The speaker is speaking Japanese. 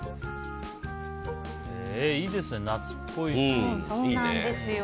いいですね、夏っぽいし。